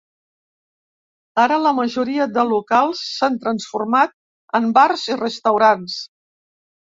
Ara la majoria de locals s’han transformat en bars i restaurants.